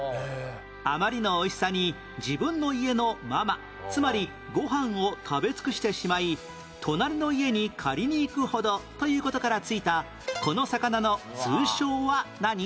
あまりの美味しさに自分の家の「まま」つまりご飯を食べ尽くしてしまい隣の家に借りにいくほどという事から付いたこの魚の通称は何？